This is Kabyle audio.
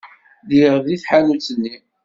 Lliɣ deg tḥanut-nni.